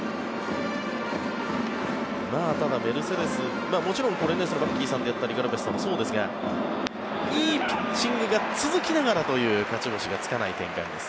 ただ、メルセデスもちろんバッキーさんであったりガルベスさんもそうですがいいピッチングが続きながらという勝ち星がつかない展開です。